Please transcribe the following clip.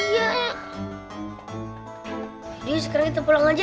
jadi sekarang kita pulang aja